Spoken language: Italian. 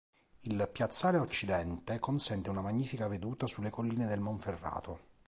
Il piazzale a occidente consente una magnifica veduta sulle colline del Monferrato.